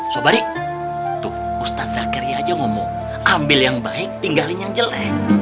sobat itu ustadz zakeri aja ngomong ambil yang baik tinggalin yang jelek